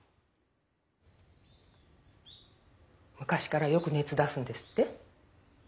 昔からよく熱出すんですって？